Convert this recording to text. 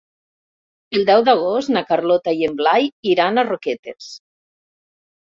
El deu d'agost na Carlota i en Blai iran a Roquetes.